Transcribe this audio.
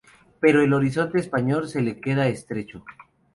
Pero el horizonte español se le queda estrecho.